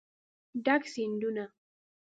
ډک سیندونه